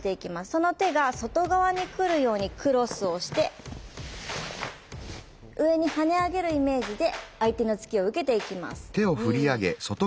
その手が外側に来るようにクロスをして上にはね上げるイメージで相手の突きを受けていきます。